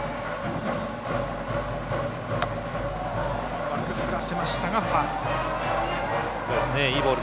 うまく振らせましたがファウル。